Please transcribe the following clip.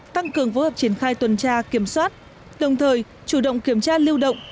tăng cường phối hợp triển khai tuần tra kiểm soát đồng thời chủ động kiểm tra lưu động